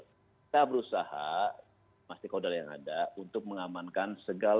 kita berusaha masih kodal yang ada untuk mengamankan segala hal